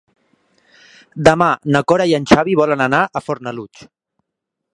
Demà na Cora i en Xavi volen anar a Fornalutx.